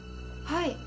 はい。